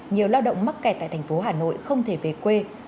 nhiều lao động mắc kẹt tại thành phố hà nội không thể về quê